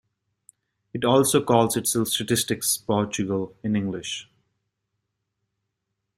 It also calls itself Statistics Portugal in English.